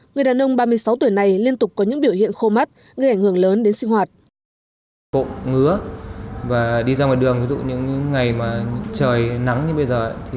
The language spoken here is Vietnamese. người đàn ông ba mươi sáu tuổi này liên tục có những biểu hiện khô mắt gây ảnh hưởng lớn đến sinh hoạt